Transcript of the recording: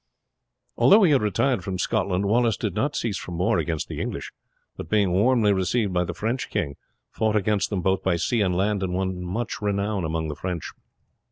Although he had retired from Scotland, Wallace did not cease from war against the English; but being warmly received by the French king fought against them both by sea and land, and won much renown among the French.